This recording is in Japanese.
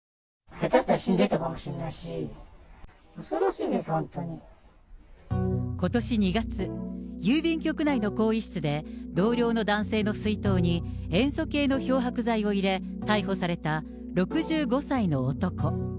下手したら死んでたかもしれないし、恐ろしいです、ことし２月、郵便局内の更衣室で、同僚の男性の水筒に塩素系の漂白剤を入れ、逮捕された６５歳の男。